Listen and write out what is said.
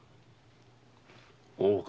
大岡